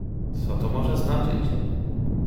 "Co to może znaczyć?"